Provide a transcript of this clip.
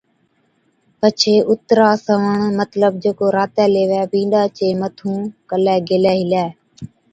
پڇي اُترا سَوَڻ مطلب جڪو راتي ليوي بِينڏا چي مَٿُون ڪَلي گيلي ھِلي